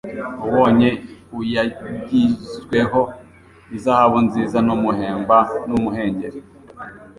ubonye uyagijweho izahabu nziza n'umuhemba n'umuhengeri